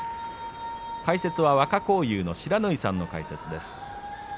解説は若荒雄の不知火さんの解説です。